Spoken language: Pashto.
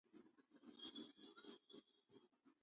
ډېره هڅه یې دا وي چې د ملګرو ترمنځ د منلو وړ کس شي.